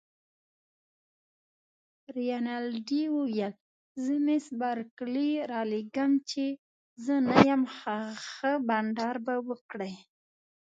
رینالډي وویل: زه مس بارکلي رالېږم، چي زه نه یم، ښه بانډار به وکړئ.